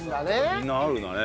みんなあるんだね。